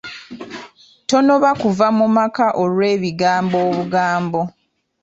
Tonoba kuva mu maka olw'ebigambo obugambo.